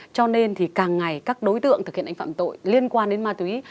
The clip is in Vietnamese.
cho nên thì càng ngày các đối tượng thực hiện hành vi phạm tội liên quan đến ma túy